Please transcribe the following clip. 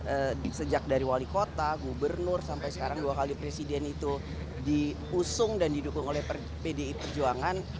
saya meyakini pak jokowi yang sejak dari wali kota gubernur sampai sekarang dua kali presiden itu diusung dan didukung oleh pdip perjuangan